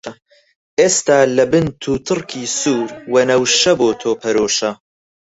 ئێستا لە بن «توتڕکی» سوور، وەنەوشە بۆ تۆ پەرۆشە!